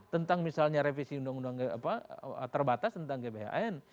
tentang misalnya revisi terbatas tentang gbhn